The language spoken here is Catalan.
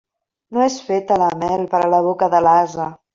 No és feta la mel per a la boca de l'ase.